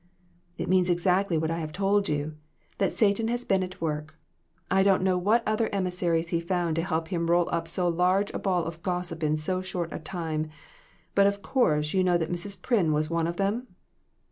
"It means exactly what I have told you that Satan has been at work. I don't know what other emissaries he found to help him roll up so large a ball of gossip in so short a time, but, of course, you know that Mrs. Pryn was one of them?"